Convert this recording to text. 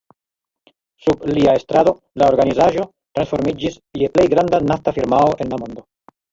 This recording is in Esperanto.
Sub lia estrado la organizaĵo transformiĝis je plej granda nafta firmao en la mondo.